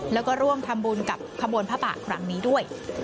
แล้วก็ร่วมทำบุญกับขบวนพระป่าครั้งนี้ด้วย